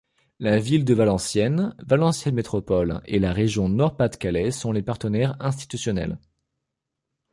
La ville de Valenciennes, Valenciennes Métropole et la Région Nord-Pas-de-Calais sont les partenaires institutionnels.